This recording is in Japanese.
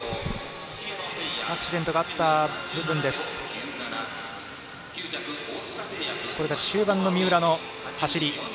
青木のアクシデントのあった部分とこれが終盤の三浦の走り。